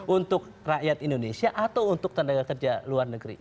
untuk rakyat indonesia atau untuk tenaga kerja luar negeri